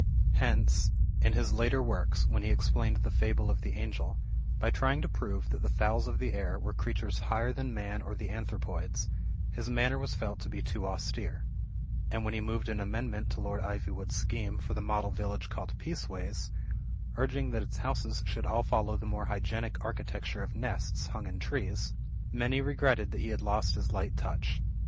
Hence, in his later Avorks, when he explained "The Fable of the Angel," by trying to prove that the fowls of the air were crea tures higher than man or the anthropoids, his manner was felt to be too austere; and when he moved an amendment to Lord Ivywood's scheme for the model tillage called Peaceways, urging that its houses should all follow the more hygienic architecture of nests hung in trees, many regretted that he had lost his light touch.